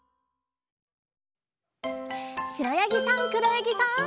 しろやぎさんくろやぎさん。